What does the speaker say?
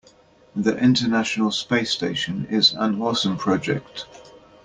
The international space station is an awesome project.